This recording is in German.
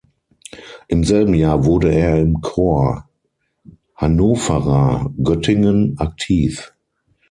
Im selben Jahr wurde er im Corps Hannovera Göttingen aktiv.